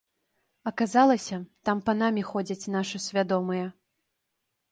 Аказалася, там панамі ходзяць нашы свядомыя!